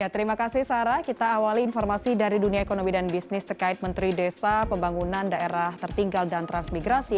terima kasih sarah kita awali informasi dari dunia ekonomi dan bisnis terkait menteri desa pembangunan daerah tertinggal dan transmigrasi